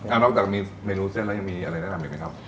นอกจากมีเมนูเส้นแล้วยังมีอะไรแนะนำอีกไหมครับ